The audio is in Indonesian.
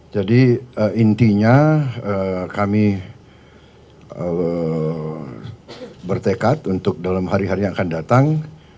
jadi intinya kami bertekad untuk dalam hari hari yang akan datang